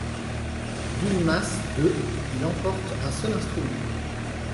D'une masse de il emporte un seul instrument.